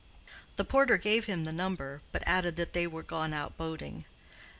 The porter gave him the number, but added that they were gone out boating.